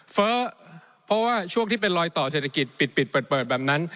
เฟ้อเพราะว่าช่วงที่เป็นรอยต่อเศรษฐกิจปิดเปิดแบบนั้น